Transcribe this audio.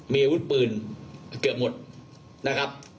มีอาวุธปืนเกือบหมดนะครับ